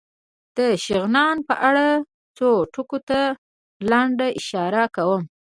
د شغنان په اړه څو ټکو ته لنډه اشاره کوم.